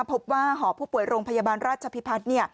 หอผู้ป่วยโรงพยาบาลราชพิพัฒน์